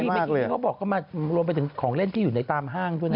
แล้วเขาบอกเข้ามารวมไปถึงของเล่นที่อยู่ในตามห้างด้วยนะ